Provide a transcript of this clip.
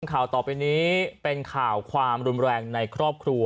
ข่าวต่อไปนี้เป็นข่าวความรุนแรงในครอบครัว